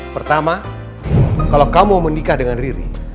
pertama kalau kamu menikah dengan riri